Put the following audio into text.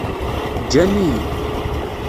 Ǧǧan-iyi.